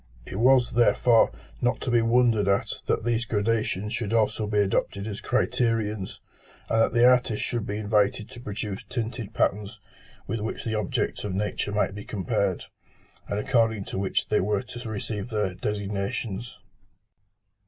It was, therefore, not to be wondered at that these gradations should also be adopted as criterions, and that the artist should be invited to produce tinted patterns with which the objects of nature might be compared, and according to which they were to receive their designations.